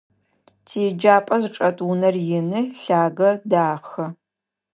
Тиеджапӏэ зычӏэт унэр ины, лъагэ, дахэ.